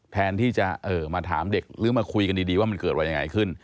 แทนที่จะมาถามเด็กหรือมาคุยกันดีว่ามันเกิดวันยังไงขึ้น